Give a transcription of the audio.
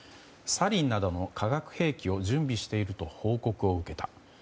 サリンなどの化学兵器を準備していると報告を受けた。